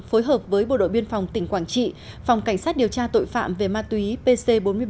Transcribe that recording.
phối hợp với bộ đội biên phòng tỉnh quảng trị phòng cảnh sát điều tra tội phạm về ma túy pc bốn mươi bảy